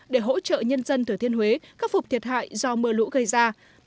để hỗ trợ nhân dân thừa thiên huế khắc phục thiệt hại do mưa lũ gây ra